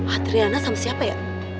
adriana sama siapa ya